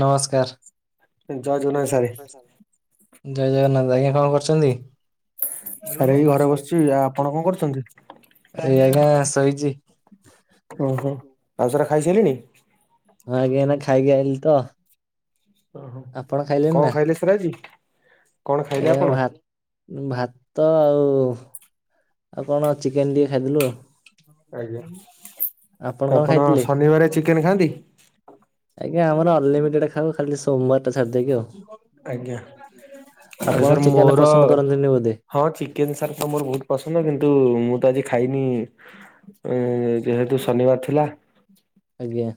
ନମସ୍କାର। ଜୟ ଜଗନ୍ନାଥ ଆଜ୍ଞା କଣ କରୁଚନ୍ତି? ସାର୍ ଏଇ ଘରେ ବସିଛି ଆପଣ କଣ କରୁଚନ୍ତି? ସେଇ ଆଜ୍ଞା ଶୋଇଚି। ହୁଁ ହୁଁ ଆଉ ସାର୍ ଖାଇସାଇଲେଣିି? ହଁ ଆଜ୍ଞା ନା ଖାଇକି ଆଇିଲି ତ? ଓହୋ ଆ କଣ ଖାଇଲେ ସାର୍ ଆଜି? ଆଜ୍ଞା ଭାତ, ଭାତ ଆଉ ଆଉ କଣ ଚିକେନ ଟିକେ ଖାଇଦେଲୁ। ଆପଣ କଣ ଖାଇଥିଲେ? ଆଜ୍ଞା ଆମର ଅନଲିମିଟେଡ ଖାଉ ଖାଲି ସୋମବାର ଟା ଛାଡି ଦେଇକି ଆଉ। ଆଜ୍ଞା। ଆଜି ସାର୍ ମୋର ହଁ ଚିକେନ ସାର ତ ମୋର ବହୁତ ପସନ୍ଦ କିନ୍ତୁ ମୁଁ ତ ଆଜି ଖାଇନି ଯେହେତୁ ଶନିବାର ଥିଲା। ଆଜ୍ଞା।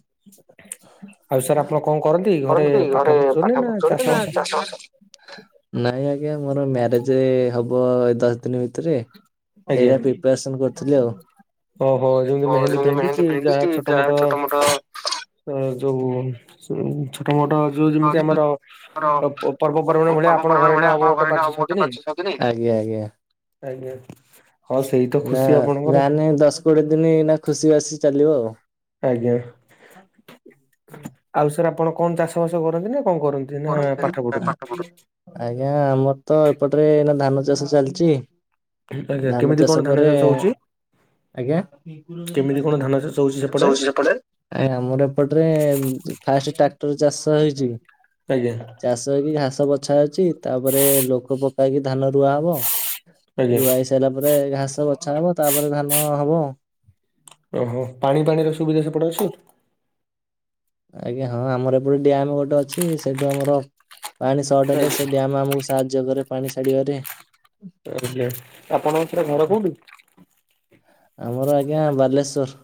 [inaudible] ଆଉ ସାର୍ ଆପଣ କଣ କରନ୍ତି ଘରେ ପାଠ ପଢୁଛନ୍ତି ନା ଚାଷ ବାସ ନାଇଁ ଆଜ୍ଞା ମୋର ମ୍ୟାରେଜ ହବ ଏ ଦଶ ଦିନ ଭିତରେ। ସେଇଟା ପ୍ରିପରେଶନ କରୁଥିଲି ଆଉ ଯେ ପିନ୍ଧିଛି ଯାହା ଛୋଟ ମୋଟ, ଯୋଉ ସେ ଛୋ ପ୍ରମଟ ଯୋଉ ଯେମିତି ଆମର ପ-ପ-ପ ପର୍ବପର୍ବାଣୀ ଭଳିଆ ଆପଣଙ୍କ ଘରେ ଏଇନା ହବ ଗୋଟେ ପାଞ୍ଚ ଛଅ ଦିନ। ଆଜ୍ଞା-ଆଜ୍ଞା। ଆଜ୍ଞା। ନା ଯାହା ହେନେ ଦଶ କୋଡିଏ ଦିନ ଏଇନା ଖୁସି ବାସି ଚାଲିବ ଆଉ। ଆଜ୍ଞା, ଆଉ ସାର୍ ଆପଣ କଣ ଚାଷବାସ କରନ୍ତି ନା କରନ୍ତେ [unintelligible] ଆଜ୍ଞା ଆମର୍ ତ ଏପଟରେ ଏଇନା ଧାନ ଚାଷ ଚାଲିଛି, ଧାନ ଚାଷ ପରେ ଆଜ୍ଞା? ନାଇଁ ଆମର ଏପଟରେ ଫାଷ୍ଟ ଟ୍ରାକ୍ଟରେ ଚାଷ ହେଇଛି ଚାଷ ହେଇକି ଘାସ୍ ବଛା ହେଉଛି ତାପରେ ଲୋକ ପକା ହେଇକି ଧାନ ରୁଆ ହବ। ରୁଆହେଇ ସାରିଲା ପରେ ଘାସ ବଛା ହବ ତାପରେ ଧାନ ହବ। ଓହୋଃ ପାଣି ପାଣିର ସୁବିଧା ସେପଟେ ଅଛି? ଆଜ୍ଞା ହଁ ଆମର ଏପଟେ ଡ୍ୟାମ ଗୋଟେ ଅଛି ସେଇଠୁ ଆମର ପାଣି ସର୍ଟ ହେଲେ ସେ ଡ୍ୟାମ୍ ଆମକୁ ସାହାଯ୍ୟ କରେ ପାଣି ଛାଡିବାରେ। ଆଜ୍ଞା, ଆପଣଙ୍କ ପୁରା ଘର କୋଉଠି? ଆମର ଆଜ୍ଞା ବାଲେଶ୍ଵର।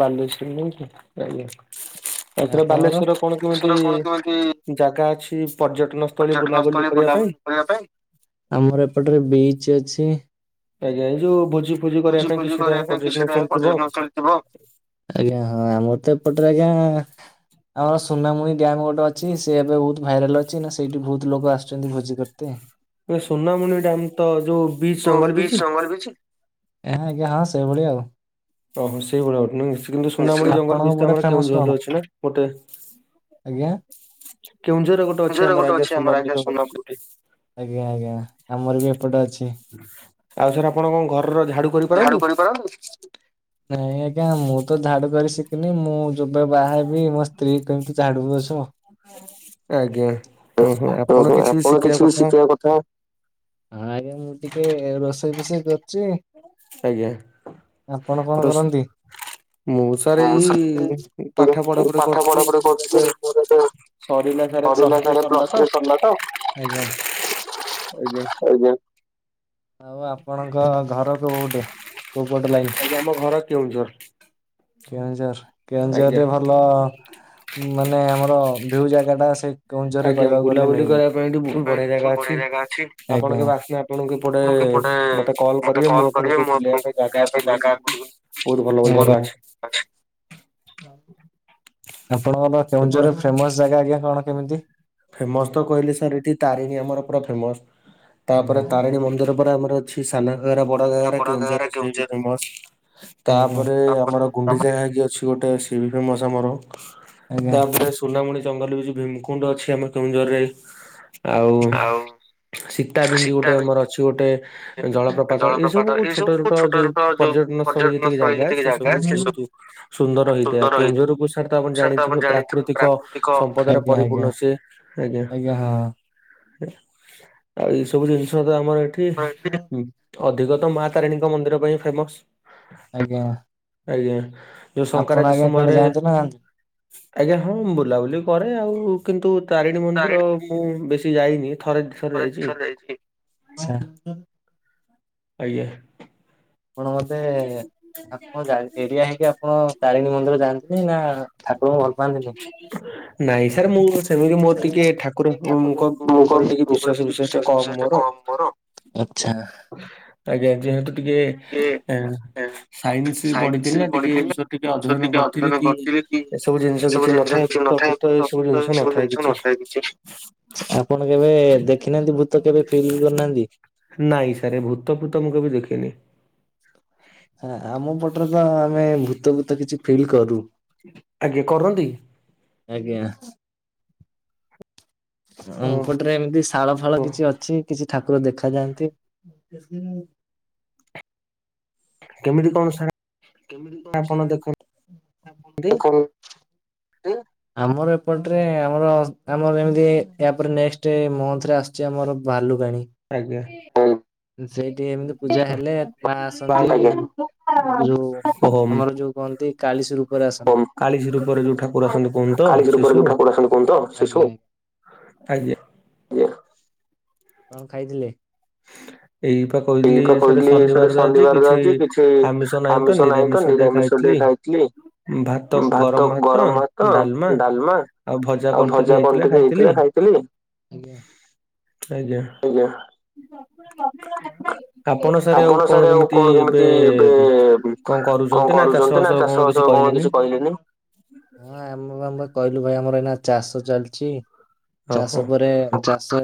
ବାଲେଶ୍ଵର ନାଇଁ କି ଆଜ୍ଞା। ଆଉ [inaudible] ବାଲେଶ୍ଵର କଣ କେମିତି ଜାଗା ଅଛି? ଆମର ଏପଟରେ ବିଚ୍ ଅଛି। ଆଜ୍ଞା ଏଇ ଯୋଉ ବୋଝ୍ ଭୋଜି ଫୋଜି କରିବା ପାଇଁ କିଛିଟା ପର୍ଯ୍ୟଟନ ସ୍ଥଳୀ ଥିବ, ଆଜ୍ଞା ହଁ ଆମ ସେପଟରେ ଆଜ୍ଞା ଆମର ସୁନାମୁଣି ଡ୍ୟାମ୍ ଗୋଟେ ଅଛି ସେ ଏବେ ବହୁତ ଭାଇରାଲ ଅଛି ନା ସେଇଠି ବହୁତ ଲୋକ ଆସୁଛନ୍ତି ଭୋଜି କରତେ। ହଁ ଆଜ୍ଞା ହଁ ସେଇଭଳିଆ ଆଉ। ଓହୋଃ ସେଇଭଳିଆ ଗୋଟେ ନାଇଁ, କିନ୍ତୁ ସୁନାମୁଣି ଜଙ୍ଗଲ ବି ତ ଆମ କେଉଁଝରରେ ଅଛି ନା ଗୋଟେ। ଆଜ୍ଞା। ଆଜ୍ଞା-ଆଜ୍ଞା। ଆମର ବି ଏପଟେ ଅଛି। ଆଉ ସାର୍ ଆପଣ କଣ ଘରର ଝାଡୁ କରିପାରନ୍ତି? ନାଇଁ ଆଜ୍ଞା ମୁଁ ତ ଝାଡୁ କରି ଶିଖିନି ମୁଁ ଯେବେ ବାହା ହେବି ମୋ ସ୍ତ୍ରୀ କେମିତି [unintelligible] ଆଜ୍ଞା ହଁ-ହଁ ଆପଣ କିଛି ବି ଶିଖେଇବା କଥା। ହଁ ଆଜ୍ଞା ମୁଁ ଟିକେ ରୋଷେଇ ଫୋଷେଇ କରୁଛି। ଆପଣ କଣ କରନ୍ତି? [inaudible] ପାଠ ପଢାପଢି କରୁଥିଲି [inaudible] [inaudible] ପ୍ଲସ ଥ୍ରୀ ସରିଲା ତ। ଆଜ୍ଞା। ଆଉ ଆପଣଙ୍କ ଘର କୋଉ ପଟେ? ଆଜ୍ଞା ଆମ ଘର କେଉଁଝର। କେଉଁଝର କେଉଁଝରରେ ଭଲ ମାନେ ଆମର ଯୋଉ ଜାଗାଟା ସେ କେଉଁଝରରେ କହିବାକୁ ଗଲେ ମିଳେ, ଆଜ୍ଞା। [inaudible] ପରେ ମତେ କଲ୍ କରିବି ମୁଁ ଆପଣଙ୍କୁ ଏହା ସହିତ ଦରକାର ପଡ଼ିଲେ [inaudible] ଆପଣଙ୍କର କେଉଁଝରରେ ଫେମସ୍ ଜାଗା ଆଜ୍ଞା କଣ କେମିତି? ଫେମସ୍ ତ କହିଲେ ସାର୍ ଏଠି ତାରିଣୀ ଆମର ପୁରା ଫେମସ୍। [inaudible] ତାପରେ ତାରିଣୀ ମନ୍ଦିର ପରେ ଆମର ଅଛି ସାନଘାଗରା, ବଡଘାଗରା କେଉଁଝରରେ ସେ ବି ଫେମସ୍। ତାପରେ ଆମର ଗୁଣ୍ଡିଚାଘାଗି ଅଛି ଗୋଟେ ସିଏ ବି ଫେମସ୍ ଆମର। ତାପରେ ସୁନାମୁଣି ଜଙ୍ଗଲ ବି ଯୋଉ ଭୀମକୁଣ୍ଡ ଅଛି ଆମ କେଉଁଝରରେ। ଆଉ ଶୀତା ବ୍ରିଞ୍ଜି ଗୋଟେ ଆମର ଅଛି ଗୋଟେ ଜଳପ୍ରପାତ ଏସବୁ ଛୋଟ ଛୋଟ ଯୋଉ ପର୍ଯ୍ୟ ଉନ ଶୁଣେ ଯେତିକି ଜାଗା ସେସବୁ ବୋହୁତୁ ସୁନ୍ଦର ହେଇଥାଏ କେଉଁଝରକୁ ସାର୍ ତ ଆପଣ ଜାଣିଥିବ ପ୍ରାକ୍ କୃତିକ ସମ୍ପଦରେ ପରିପୂର୍ଣ୍ଣ ସିଏ। ଆଜ୍ଞା ଆ ଆଉ ଏଇସବୁ ଜିନିଷ ତ ଆମର ଏଠି ଉଁ ଅଧିକ ତ ମାଆ ତାରିଣୀଙ୍କ ମନ୍ଦିର ପାଇଁ ଫେମସ। ଆଜ୍ଞା। ଆଜ୍ଞା ଯୋଉ ସଂକରାତି ସମୟରେ ଆଜ୍ଞା ହଁ ମୁଁ ବୁଲାବୁଲି କରେ ଆଉ କିନ୍ତୁ ତାରିଣୀ ମନ୍ଦିର ମୁଁ ବେଶୀ ଯାଇନି। ଥରେ ଦିଥର ଯାଇଚି। ଆଛା। ଆଜ୍ଞା। ଆପଣ ବୋଧେ ଆପଣ ଜା ଏରିଆ ହେଇକି ଆପଣ ତାରିଣୀ ମନ୍ଦିର ଯାଆନ୍ତି ନା ଠାକୁର ନାଇଁ ସାରେ ମୁଁ ପଛେ ସେମିତି ମୋର ଟିକେ ଠାକୁରଙ୍କ ଙ୍କ ଉପରୁଙ୍କ ଉପରେ ଟିକେ ବିଶ୍ଵାସ ଫିଶ୍ୱାସଟା କମ୍ ମୋର। ଆଛା। ଆଜ୍ଞା ଯେହେତୁ ଟିକେ ଏ ସାଇନ୍ସ ପଢିଥିନେ ଟିକେ ଏ ବିଷୟରେ ଟିକେ ଅଧିକ ନମ୍ବର ଥିଲେ କି କି ସବୁ ଜିନିଷ କିଛି ନଥାଏ ଭୂତ ଫୁତ ଏସବୁ ଜିନିଷ ନଥାଏ କିଛି। ଆପଣ କେବେ ଦେଖିନାହାନ୍ତି ଭୂତ କେବେ ଫିଲ୍ ବି କରିନାହାନ୍ତି? ନାଇଁ ସାରେ ଭୂତଫୁତ ମୁଁ କେବେ ଦେଖିନି। ଆ ଆମ ପଟରେ ତ ଆମେ ଭୂତଫୁତ କିଛି ଫିଲ୍ କରୁ। ଆଗେ କରନ୍ତି? ଆଜ୍ଞା ଆମପଟରେ ଏମତି ସ୍ ତାଳ ଫାଳ କିଛି ଅଛି କିଛି ଠାକୁର ଦେଖାଯାଆନ୍ତି। କେମିତି କଣ ସାର କେମିତି କଣ ସାର [inaudible] ଟୋକନ ଉଁ ଆମର ଏ ଏପଟରେ ଆମର ଆମର ଯେମିତି ୟା ପରେ ନେଷ୍ଟ ମନ୍ଥରେ ଆସୁଛି ଆମର ଭାଲୁ। ବାଣି ହୁଁ। ସେଇଠି ଏମିତି ପୂଜା ହେଲେ ମା ଆସନ୍ତି ଯଉ ଆମର ଯଉ କଣନ୍ତି କାଳିଶି ରୂପରେ ଆସନ୍ତି। କାଳିଶି ରୁପରେ ଯଉ ଠାକୁର ଆସନ୍ତି କୁହନ୍ତି ତ ଶିଶୁ। ଆଜ୍ଞା। କଣ ଖାଇଥିଲେ? ପିଇକ କହିଥିଲି ସାର୍ ଶନିବାର ଯା ଅଛି କିଛି ଆମିଷ ନାହିଁ ତ ନିରାମିଷ ଗ ଖାଇଥିଲି ଭାତ, ଗରମ ଭାତ, ଡାଲମା ଆଉ ଭଜା କଣ ଟିକେ ହେଇଥିଲା ଖାଇଥିଲି? ଆଜ୍ଞା। କକୁ [inaudible] ଆପଣ ସାର୍ ଆଉ କଣ କେମିତି ଏବେ କଣ କରୁଛନ୍ତି ନା ଚାଷ ବାସ କଣ କିଛି କହି କଣ କିଛି କହିଲେନି। ପାଇଁ ଆମର ଏଇନା ଚାଷ ଚାଲିଛି ଚାଷ ପରେ ଚାଷ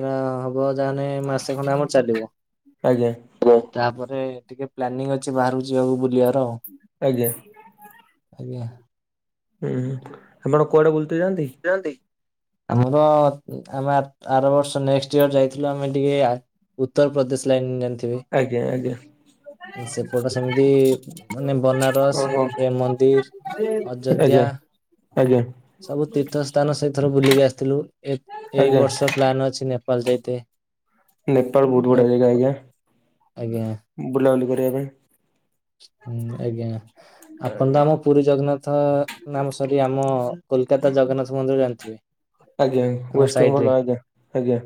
ଯେ ମାସେ ଖଣ୍ଡେ ଆମର ଚାଲିବ ତାପରେ ଟିକେ ପ୍ଲାନିଂ ଅଛି ବାହାରକୁ ଯିବାକୁ ବୁଲିବାର ଆଉ ଆଜ୍ଞା। ହୁଁ ହୁଁ ଆପଣ କୁଆଡେ ବୁଲିତେ ଯାଆନ୍ତି? ଆମର ଆମେ ଆର ବର୍ଷ ନେଷ୍ଟ ଇୟର ଯାଇଥିଲୁ ଆମେ ଟିକେ ଉତ୍ତରପ୍ରଦେଶ ଲାଇନ୍ ଆଜ୍ଞା ଆଜ୍ଞା। ସେପଟେ ସେମିତି ମାନେ ବନାରସ ମନ୍ଦିର ଅଯୋଧ୍ୟା ଆଜ୍ଞା। ତୀର୍ଥ ସ୍ଥାନ ସେଇଥର ବୁଲିକି ଆସିଥିଲୁ ଏ ଏଇ ବର୍ଷ ପ୍ଲାନ ଅଛି ନେପାଳ ଯାଇତେ। ନେପାଳ ବହୁତ ବଢିଆ ଜାଗା ଆଜ୍ଞା ବୁଲାବୁଲି କରିବା ପାଇଁ। ହୁଁ ଆଜ୍ଞା। ଆପଣ ତ ଆମ ପୁରୀ ଜଗନ୍ନାଥ ନ ସରି ଆମ କୋଲକାତା ଜଗନ୍ନାଥ ମନ୍ଦିର ଜାଣିଥିବେ। ଆଜ୍ଞା ୱେଷ୍ଟବେଙ୍ଗଲ ଆଜ୍ଞା ଆଜ୍ଞା।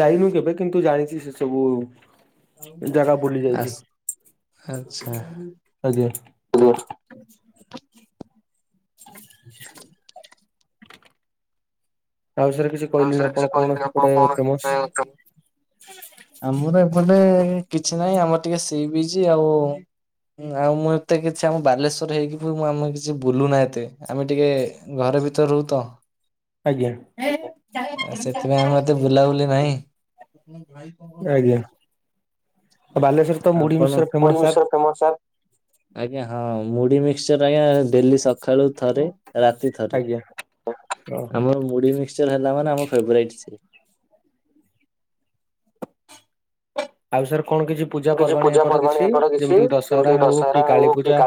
ଯାଇନୁ କେବେ କିନ୍ତୁ ଜାଣିଛି ସେ ସବୁ ଆସ। ଆଚ୍ଛା। [inaudible] ତା ବିଷୟରେ କିଛି କହିଲେନି ଆପଣ କଣ ସେ ଗୋଟେ ଫେମସ? ଆମର ଏପଟେ କିଛି ନାହିଁ ଆମର ଟିକେ ସି ବିଚି ଆଉ ଆଉ ମୁଁ ଏତେ କିଛି ଆମ ବାଲେଶ୍ୱର ହେଇକି ବି ଆମେ କିଛି ବୁଲୁନା ଏତେ ଆମେ ଟିକେ ଘ ଭିତରେ ରହୁ ତ। ସେଥିପାଇଁ ଆମେ ଏତେ ବୁଲାବୁଲି ନାହିଁ। ଆଜ୍ଞା। ଆପଣ ମୁଢି ମିକ୍ସଚର ଫେମ ଆଜ୍ଞା ହଁ। ମୁଢି ମିକ୍ସଚର ଆଜ୍ଞା ଡେଲି ସକାଳୁ ଥରେ। ରାତି ଥରେ ଆମର ମୁଢି ମିକ୍ସଚର ହେଲା ମାନେ ଆମ ଫେବସାଇଟ ସିଏ। ଆଉ ସାର୍ କଣ କିଛି ପୂଜା ପର୍ବାଣୀ ହେପଟେ କିଛି ଯେମିତି କି ଦଶହରା ହଉ କି କାଳୀ ପୂଜା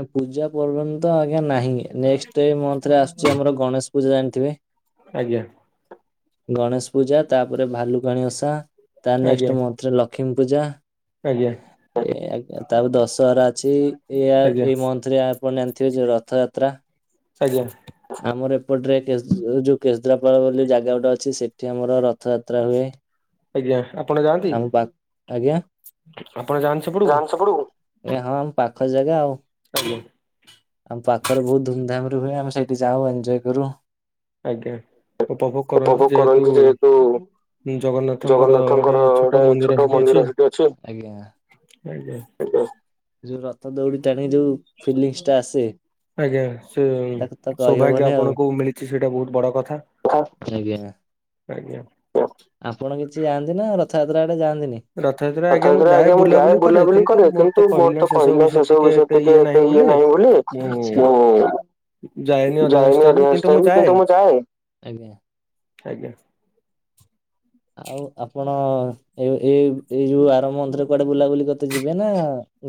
ଆ ପୂଜା ବୋଲ ବମ ତ ଆଜ୍ଞା ନାହିଁରେ ଆସୁଛି ଆମର ଗଣେଶ ପୂଜା ଜାଣିଥିବେ। ଆଜ୍ଞା। ଗଣେଶ ପୂଜା ତାପରେ ଭାଲୁକାଣିୀ ଓଷା ତା ନେଷ୍ଟେ ମଧ୍ୟ ଲକ୍ଷ୍ମୀ ପୂଜା। ଆଜ୍ଞା। ଏ ଆଜ୍ଞା ତାପରେ ଦଶହରା ଅଛି ଏଆ ଏଇ ମନ୍ଥ ରେ ଆପଣ ଜାଣିଥିବେ ଯୋଉ ରଥଯାତ୍ରା ଆଜ୍ଞା। ଏପଟରେ କେ ଯୋଉ କେସ୍ତୁରାପାଳ ବୋଲି ଜାଗା ଗୋଟେ ଅଛି ସେଠି ଆମର ରଥଯାତ୍ରା ହୁଏ। ଆଜ୍ଞା ଆପଣ ଯାଆନ୍ତି, ଆପଣ ଯାଆନ୍ତି ସେପଟକୁ? ଏ ହଁ ଆମ ପାଖ ଜାଗା ଆଉ। [inaudible] ଆମ ପାଖରେ ବହୁତ ଧୁମଧାମ ରେ ହୁଏ ଆମେ ସେଇଠି ଯାଉ ଏନ୍ଜଜୟ କରୁ। [inaudible] ଉପଭୋଗ କରନ୍ତିୁ ଯେହେତୁ ଜଗନ୍ନାଥଙ୍କର ଗୋଟେ ଛୋଟ ମନ୍ଦିର ସେଠି ଅଛି ଆଜ୍ଞା। ଆଜ୍ଞା। ଯୋଉ ରଥ ଦୌଡି ଟାଣିକି ଯୋଉ ଫିଲିଙ୍ଗସି ଟା ଆସେ ଆଜ୍ଞା ସେ ସୌଭାଗ୍ୟ ଆପଣଙ୍କୁ ମିଳିଛି ସେଇଟା ବହୁତ ବଡ କଥା। ଆଜ୍ଞା ଆପଣ କିଛି ଯାଆନ୍ତି ନା ର ରଥଯାତ୍ରା ଆଜ୍ଞା ମୁଁ ଯାଏ ବୁଲାବୁଲି କରେ କି ତୁ ମୋର ତ କହିଲି ନା ସେ ସବୁ ବିଷୟରେ ଟିକେ ଏତେ ଇଏ ନାହିଁ ବୋଲି ମୁଁ ଯାଏନି ଅଧିକାଂଶ ଟାଇମ କିନ୍ତୁ ମୁଁ ଯାଏ ଆଜ୍ଞା। ଆଉ ଆପଣ ଏ ଏଇ ଏଇ ଯୋଉ ଆର ମନ୍ଥରେ କୁଆଡେ ବୁଲାବୁଲି କରିତେ ଯିବେ ନା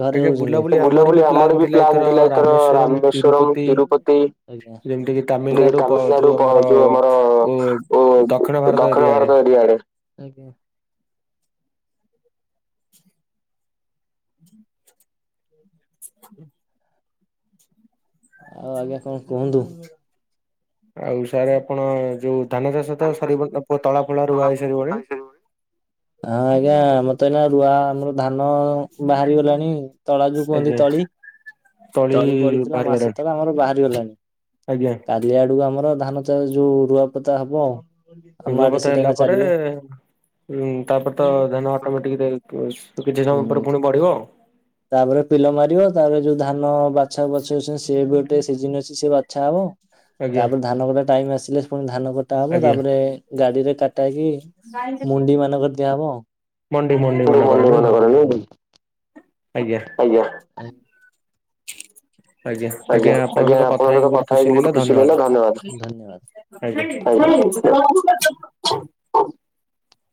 ଘରେ ରହୁଛନ୍ତି ବୁଲାବୁଲି ଆମର ବି ପ୍ଲାନ୍ ଥିଲା ଏକର ରାମେସ୍ଵରମ୍ ତିରୁପତି ଆଜ୍ଞା। ଯୋଉକି ତାମିଲନାଡୁ ଯୋଉ ଆମର ଉ ଦକ୍ଷିଣ ଭାରତ ଏରିଆ ଆଡେ। ଆଜ୍ଞା। [inaudible] [inaudible] ଆଉ ଆଜ୍ଞା କଣ କୁହନ୍ତୁ? ଆଉ ସାର୍ ଆପଣ ଯୋଉ ଧାନ ଚାଷ ତ ସରିବ ତଳା ଫଳା ରୁଆ ହେଇ ସାରିବଣି। ହଁ ଆଜ୍ଞା ଆମ ତ ରୁଆ ଆମର ଧାନ ବାହାରି ଗଲାଣି ତଳା ଯୋଉ କୁହନ୍ତି ତଳି। ତଳି ପଡିଥିଲା ମାସେ ତଳେ ଆମର ବାହାରିଗଲାଣି କାଲି ଆଡକୁ ଆମର ଧାନ ଚାଷ ଯୋଉ ରୁଆ ପତା ହବ। ରୁଆ ପୋତା ହେଲା ପରେ ହଁ ତାପରେ ତ ଧାନ ଅଟୋମେଟିକ ରେ କିଛି ସମୟ ପରେ ପୁଣି ବଢିବ। ତାପରେ ପିଲ ମାରିବ ତାପରେ ଯୋଉ ଧାନ ବାଛା ବଛି ଅଛି ସିଏ ବି ଗୋଟେ ସିଜିନ ଅଛି ସେ ବାଛା ହବ। ତାପରେ ଧାନ କଟା ଟାଇମ୍ ଆସିଲେ ପୁଣି ଧାନ କଟା ହବ ତାପରେ ଗାଡିରେ କାଟାହୋକି ମୁଣ୍ଡି ମାନଙ୍କରେ ଦିଆହବ। [unintelligible] ମନେ ମନେ କରେଇବି ଆଜ୍ଞା। ଆଜ୍ଞା ଆଜ୍ଞା ଆପଣଙ୍କ ସହିତ କଥା ହେଇକି ବହୁତ ଖୁସି ଲାଗିଲା ଧନ୍ୟବାଦ ଧନ୍ୟବାଦ। ଆଜ୍ଞା [unintelligible]